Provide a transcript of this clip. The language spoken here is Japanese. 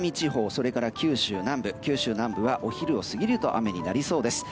それから九州南部九州南部はお昼を過ぎると雨になりそうです。